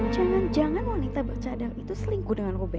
jangan jangan wanita bercadang itu selingkuh dengan obes